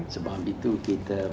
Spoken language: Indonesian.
sebab itu kita